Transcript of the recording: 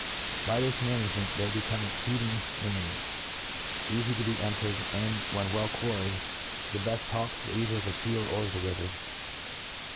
By this ma nagement, they become exceeding manny, eafy to be entered, and, when well quarried, the beft hawks for cither the field or the river.